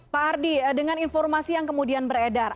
pak ardi dengan informasi yang kemudian beredar